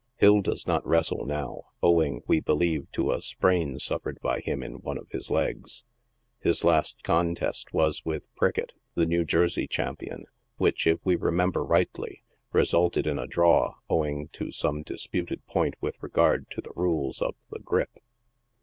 Hill does not wrestle now, owing, we believe, to a sprain suffered by him in one of his lcg3. His last contest was with Prickett, the New Jersey champion, which, if we remember rightly, resulted in a " draw," owing to some disputed point with regard to the rules of the " grip."